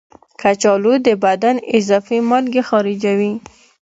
کچالو د بدن اضافي مالګې خارجوي.